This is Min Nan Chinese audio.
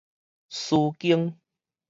書經